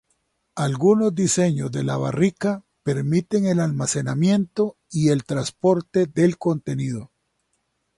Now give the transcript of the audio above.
Algunos diseños de la barrica permiten el almacenamiento y el transporte del contenido.